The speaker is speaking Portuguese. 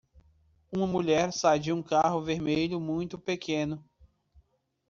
Uma mulher sai de um carro vermelho muito pequeno.